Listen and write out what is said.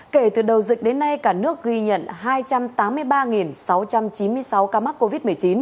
kể từ đầu dịch đến nay cả nước ghi nhận hai trăm tám mươi ba sáu trăm chín mươi sáu ca mắc covid một mươi chín